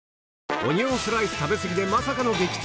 オニオンスライス食べ過ぎでまさかの激痛？